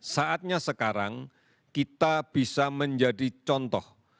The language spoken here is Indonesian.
saatnya sekarang kita bisa menjadi contoh